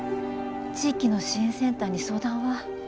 地域の支援センターに相談は？